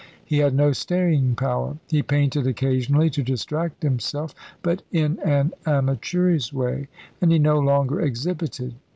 He had no staying power. He painted occasionally to distract himself, but in an amateurish way, and he no longer exhibited.